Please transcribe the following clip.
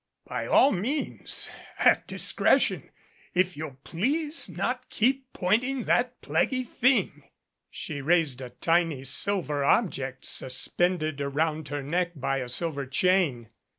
"By all means at discretion if you'll please not keep pointing that plaguey thing " She raised a tiny silver object suspended around her neck by a silver chain.